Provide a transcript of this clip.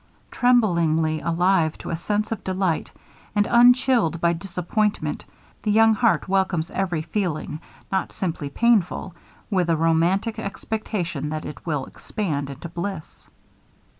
Tremblingly alive to a sense of delight, and unchilled by disappointment, the young heart welcomes every feeling, not simply painful, with a romantic expectation that it will expand into bliss.